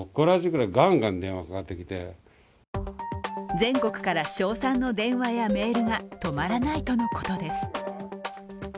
全国から称賛の電話やメールが止まらないとのことです。